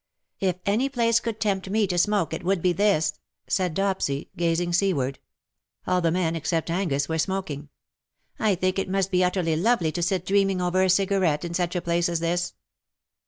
" If any place could tempt me to smoke it would be tbis/^ said Dopsy^ gazing seaward. All the men except Angus were smoking. " I think it must be utterly lovely to sit dreaming over a cigarette in such a place as this.